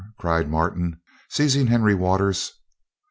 cried Martin, seizing Henry Waters.